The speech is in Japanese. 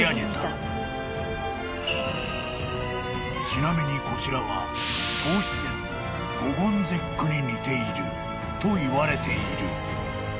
［ちなみにこちらは『唐詩選』の五言絶句に似ているといわれている］